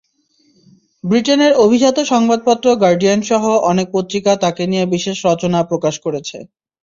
ব্রিটেনের অভিজাত সংবাদপত্র গার্ডিয়ানসহ অনেক পত্রিকা তাঁকে নিয়ে বিশেষ রচনা প্রকাশ করেছে।